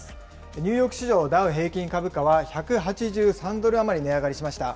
ニューヨーク市場ダウ平均株価は１８３ドル余り値上がりました。